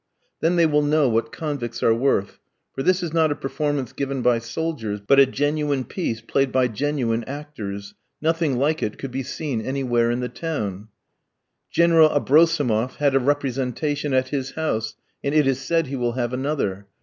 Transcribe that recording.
Then they will know what convicts are worth, for this is not a performance given by soldiers, but a genuine piece played by genuine actors; nothing like it could be seen anywhere in the town. General Abrosimoff had a representation at his house, and it is said he will have another.